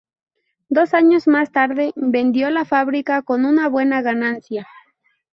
Dos años más tarde, vendió la fábrica con una buena ganancia.